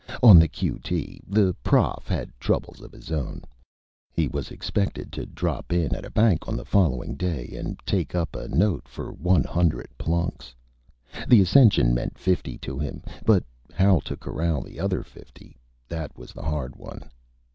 On the Q.T. the Prof. had Troubles of his own. He was expected to drop in at a Bank on the following Day and take up a Note for 100 Plunks. The Ascension meant 50 to him, but how to Corral the other 50? That was the Hard One.